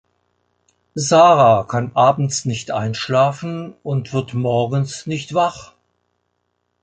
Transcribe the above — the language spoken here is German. Sarah kann abends nicht einschlafen und wird morgens nicht wach.